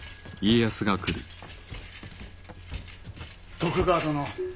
徳川殿。